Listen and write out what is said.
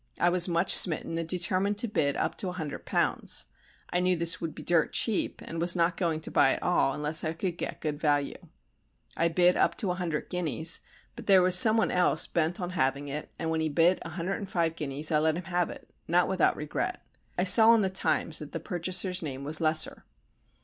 I was much smitten and determined to bid up to a hundred pounds; I knew this would be dirt cheap and was not going to buy at all unless I could get good value. I bid up to a hundred guineas, but there was someone else bent on having it and when he bid 105 guineas I let him have it, not without regret. I saw in the Times that the purchaser's name was Lesser.